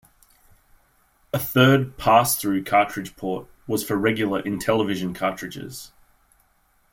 A third pass-through cartridge port was for regular Intellivision cartridges.